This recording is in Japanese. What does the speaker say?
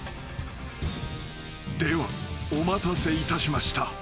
［ではお待たせいたしました］